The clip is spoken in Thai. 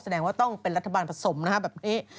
แสดงว่าต้องเป็นรัฐบาลผสมนะฮะแบบนี้